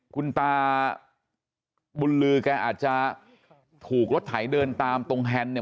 คุณตาบุญลือแกอาจจะถูกรถไถเดินตามตรงแฮนด์เนี่ย